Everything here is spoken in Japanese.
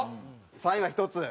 ３位は１つ。